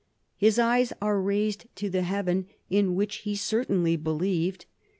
His eyes are raised to the heaven in which he certainly believed.